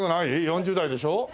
４０代でしょう？